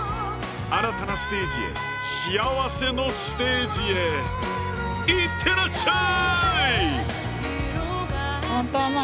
新たなステージへ幸せのステージへ行ってらっしゃい！